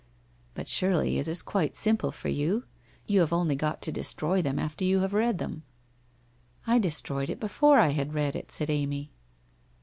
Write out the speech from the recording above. ' But surely it is quite simple for you. You have only got to destroy them after you have read them.' ' I destroyed it before I had read it,' said Amy.